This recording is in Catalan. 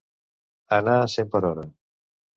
Anar a cent per hora.